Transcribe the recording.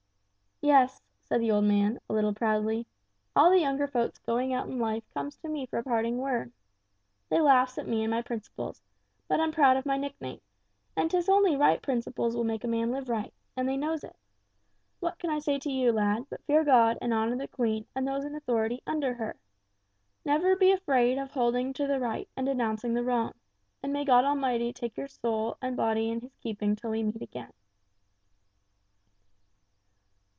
"Yes," said the old man, a little proudly; "all the younger folks going out in life comes to me for a parting word. They laughs at me and my principles, but I'm proud of my nickname, and 'tis only right principles will make a man live right, and they knows it. What can I say to you, lad, but fear God and honor the Queen and those in authority under her. Never be afraid of holding to the right and denouncing the wrong, and may God Almighty take your body and soul in His keeping until we meet again."